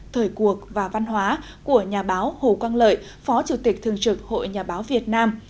thời cuộc và văn hóa của nhà báo hồ quang lợi phó chủ tịch thường trực hội nhà báo việt nam